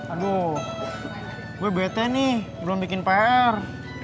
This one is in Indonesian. aduh gue bete nih belum bikin pr